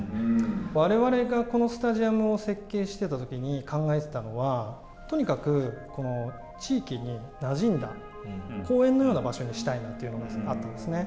われわれがこのスタジアムを設計してたときに考えてたのはとにかく地域になじんだ、公園のような場所にしたいなというのがあったんですね。